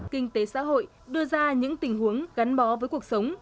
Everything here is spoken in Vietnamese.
kinh tế xã hội đưa ra những tình huống gắn bó với cuộc sống